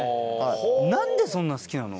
なんでそんなに好きなの？